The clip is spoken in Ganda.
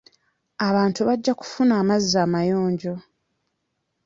Abantu bajja kufuna amazzi amayonjo.